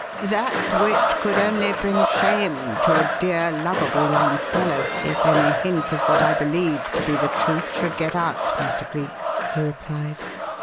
"That which could only bring shame to a dear, lovable young fellow if any hint of what I believe to be the truth should get out, Mr. Cleek," he replied.